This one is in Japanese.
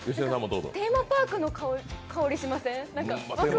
テーマパークの香りしません？